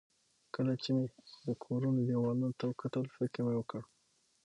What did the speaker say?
کله چې مې د کورونو دېوالونو ته وکتل، فکر مې وکړ.